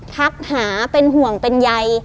ทักหาเป็นห่วงเป็นใย